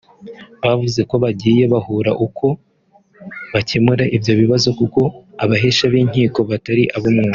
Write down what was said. Bavuze ko bagiye babura uko bakemura ibyo bibazo kuko abahesha b’inkiko batari ab’umwuga